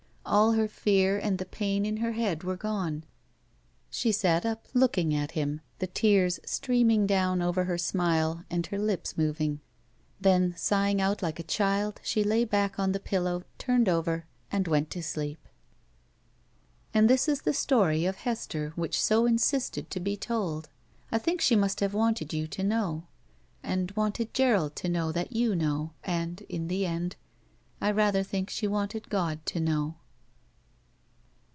All her fear and the pain in her head were gone. She sat up, looking at him, the tears streaming down over her smile and her lips moving. Then, sighing out like a child, she lay back on the pillow, turned over, and went to sleep. And this is the story of Hester which so insisted to be told. I think she must have wanted you to know. And wanted Gerald to know that you know, and, in the end, I rather think she wanted God to know.